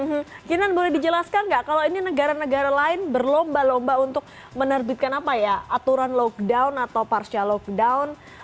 hmm kinan boleh dijelaskan nggak kalau ini negara negara lain berlomba lomba untuk menerbitkan apa ya aturan lockdown atau partial lockdown